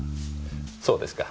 そうですか。